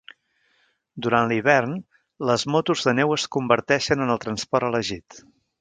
Durant l'hivern, les motos de neu es converteixen en el transport elegit.